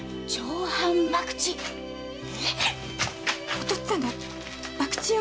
お父っつぁんが博打を？